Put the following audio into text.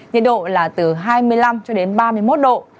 nhiệt độ là từ hai mươi năm cho đến ba mươi một độ